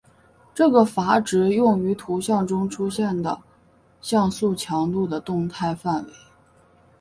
这个阈值用于图像中出现的像素强度的动态范围。